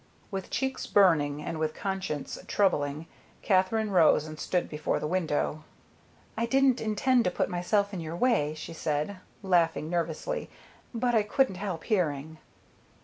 With cheeks burning and with conscience troubling, Katherine rose and stood before the window. "I didn't intend to put myself in your way," she said, laughing nervously, "but I couldn't help hearing."